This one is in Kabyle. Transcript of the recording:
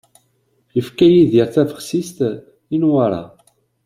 Yefka Yidir tabexsist i Newwara.